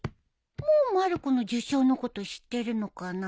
もうまる子の受賞のこと知ってるのかな？